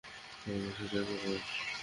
আমরা সেটাই করবো।